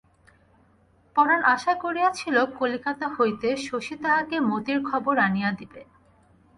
পরাণ আশা করিয়াছিল কলিকাতা হইতে শশী তাহাকে মতির খবর আনিয়া দিবে।